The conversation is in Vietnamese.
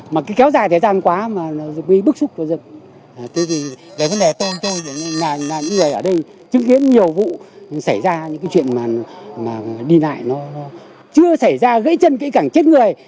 mà đi lại nó chưa xảy ra gãy chân kỹ cảnh chết người